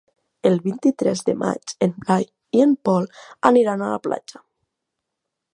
El vint-i-tres de maig en Blai i en Pol aniran a la platja.